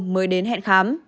mới đến hẹn khám